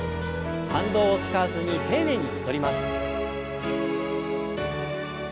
反動を使わずに丁寧に戻ります。